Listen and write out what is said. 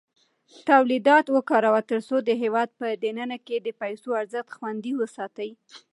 تولیدات وکاروه ترڅو د هېواد په دننه کې د پیسو ارزښت خوندي وساتې.